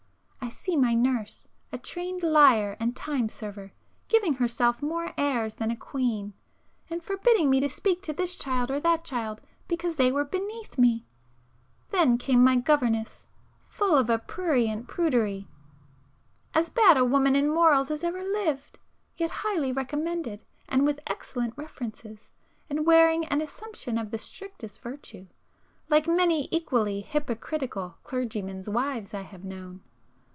I see my nurse,—a trained liar and time server, giving herself more airs than a queen, and forbidding me to speak to this child or that child, because they were 'beneath' me;—then came my governess, full of a prurient prudery, as bad a woman in morals as ever lived, yet 'highly recommended' and with excellent references, and wearing an [p 401] assumption of the strictest virtue, like many equally hypocritical clergymen's wives I have known.